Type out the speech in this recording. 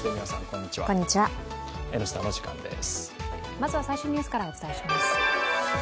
まずは最新ニュースからお伝えします。